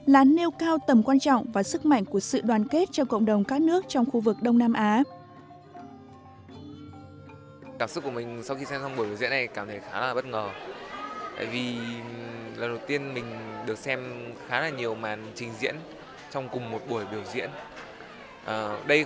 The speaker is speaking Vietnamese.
là nêu cao tầm quan trọng và sức mạnh của sự đoàn kết trong cộng đồng các nước trong khu vực đông nam á